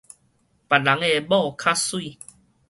別人个某較媠